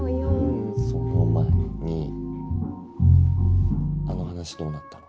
うんその前にあの話どうなったの？